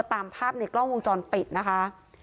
ตามภาพในกล้องวงจรปิดนะคะ